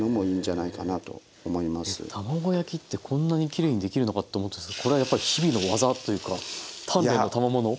卵焼きってこんなにきれいにできるのかと思ったんですけどこれは日々の技というか鍛錬のたまもの？